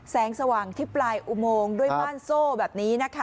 แสงสว่างที่ปลายอุโมงด้วยม่านโซ่แบบนี้นะคะ